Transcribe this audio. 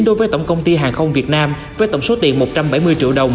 đối với tổng công ty hàng không việt nam với tổng số tiền một trăm bảy mươi triệu đồng